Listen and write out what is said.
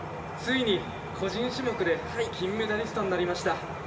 ついに個人種目で金メダリストになりました。